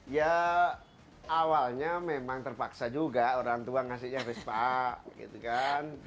ya awalnya memang terpaksa juga orang tua ngasihnya vespa gitu kan